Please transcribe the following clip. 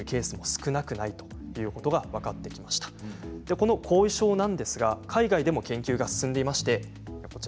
この後遺症なんですが海外でも研究が進んでいます。